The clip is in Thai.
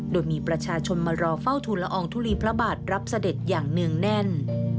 โดยมีประชาชนมารอเฝ้าทุนละอองทุลีพระบาทรับเสด็จอย่างเนื่องแน่น